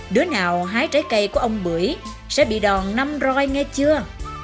đứa nào hái trái cây của ông bưởi sẽ bị đòn năm roi ngay chưa